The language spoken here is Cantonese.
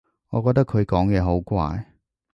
我覺得佢講嘢好怪